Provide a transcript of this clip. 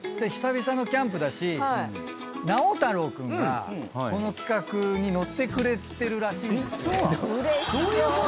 久々のキャンプだし直太朗君がこの企画に乗ってくれてるらしいんですよ。